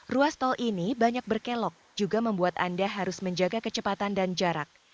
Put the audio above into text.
ruas tol ini banyak berkelok juga membuat anda harus menjaga kecepatan dan jarak